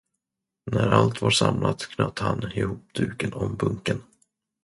När allt var samlat, knöt han ihop duken om bunken.